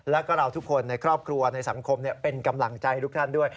แล้วก็เราทุกคนในครอบครัวในสังคมเป็นกำลังใจทุกท่านด้วย